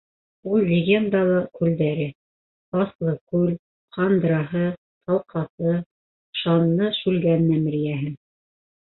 Ул легендалы күлдәре: Асылыкүл, Ҡандраһы, Талҡаҫы, шанлы Шүлгән мәмерйәһе...